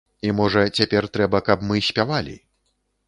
І можа цяпер трэба, каб мы спявалі.